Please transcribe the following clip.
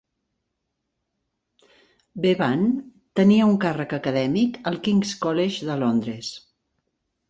Bevan tenia un càrrec acadèmic al King's College de Londres.